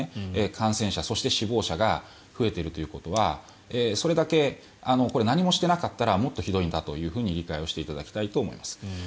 感染者、そして死亡者が増えているということはそれだけ何もしていなかったらもっとひどいんだと理解していただきたいと思います。